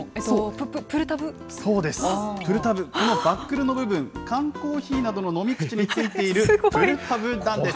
そうです、プルタブ、このバックルの部分、缶コーヒーなどの飲み口についているプルタブなんです。